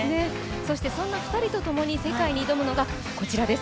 そんな２人とともに世界に挑むのがこちらです。